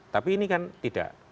tapi ini kan tidak